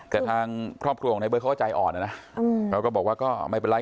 แต่ทางครอบครัวของนายเบิร์ตเขาก็ใจอ่อนนะนะเขาก็บอกว่าก็ไม่เป็นไร